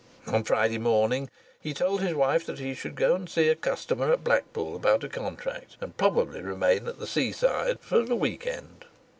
On Friday morning he told his wife that he should go to see a customer at Blackpool about a contract, and probably remain at the seaside for the week end.